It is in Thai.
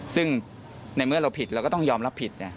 ซึ่งในเมื่อเราผิดเราก็ต้องยอมรับผิด